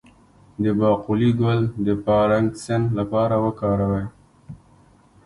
د باقلي ګل د پارکنسن لپاره وکاروئ